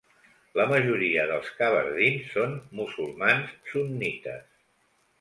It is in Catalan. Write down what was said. La majoria dels kabardins són musulmans sunnites.